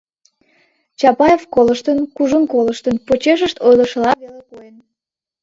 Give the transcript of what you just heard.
Чапаев колыштын, кужун колыштын, почешышт ойлышыла веле койын: